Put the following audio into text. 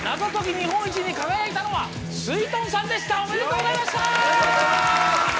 日本一に輝いたのはすいとんさんでしたおめでとうございました！